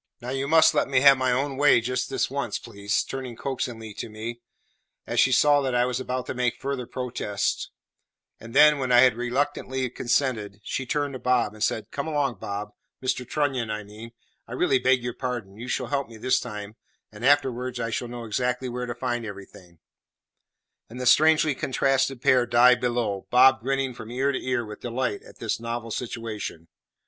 Now you must let me have my own way just this once, please," turning coaxingly to me, as she saw that I was about to make a further protest, and then, when I had reluctantly consented, she turned to Bob, and said, "Come along, Bob Mr Trunnion, I mean; I really beg your pardon you shall help me this time, and afterwards I shall know exactly where to find everything," and the strangely contrasted pair dived below, Bob grinning from ear to ear with delight at his novel situation.